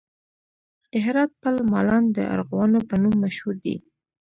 د هرات پل مالان د ارغوانو په نوم مشهور دی